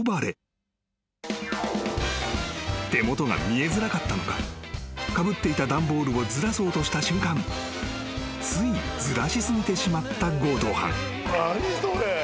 ［手元が見えづらかったのかかぶっていた段ボールをずらそうとした瞬間ついずらし過ぎてしまった強盗犯］